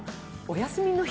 休みの日？